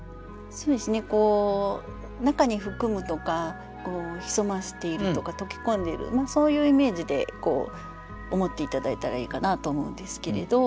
そうですね中に含むとか潜ませているとか溶け込んでいるそういうイメージで思って頂いたらいいかなと思うんですけれど。